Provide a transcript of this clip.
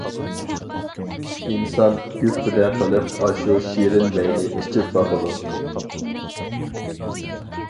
ئىنسان گۈپپىدە قىلىپ ئاشۇ شېرىن مەينى ئىچىپ باقىدۇ.